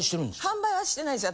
販売はしてないです。